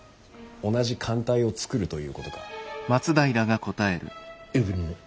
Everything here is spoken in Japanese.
同じ艦隊を造るということか？」。